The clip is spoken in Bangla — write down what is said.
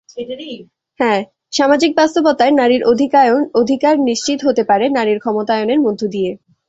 সামাজিক বাস্তবতায় নারীর অধিকার নিশ্চিত হতে পারে নারীর ক্ষমতায়নের মধ্য দিয়ে।